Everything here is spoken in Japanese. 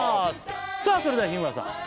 さあそれでは日村さん